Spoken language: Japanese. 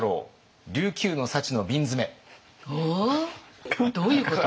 おお？どういうこと？